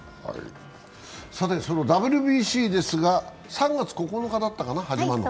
ＷＢＣですが、３月９日だったかな、始まるの。